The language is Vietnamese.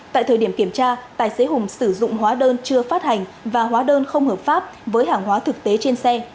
tại thời điểm kiểm tra tài xế hùng sử dụng hóa đơn chưa phát hành và hóa đơn không hợp pháp với hàng hóa thực tế trên xe